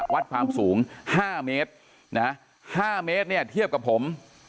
วัดความสูง๕เมตรนะฮะ๕เมตรเนี่ยเทียบกับผม